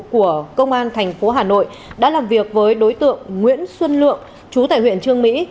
của công an tp hcm đã làm việc với đối tượng nguyễn xuân lượng chú tại huyện trương mỹ